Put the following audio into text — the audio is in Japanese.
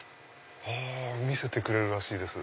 見せてくれるらしいです。